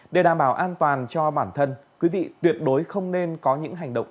để đảm bảo an toàn cho bản thân quý vị tuyệt đối không nên có những hành động